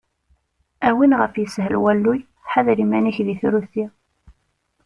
A win ɣef yeshel walluy, ḥader iman-ik di trusi!